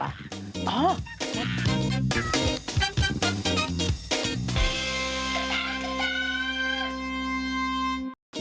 อะไป